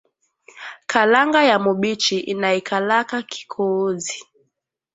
Kalanga ya mubichi inaikalaka kikoozi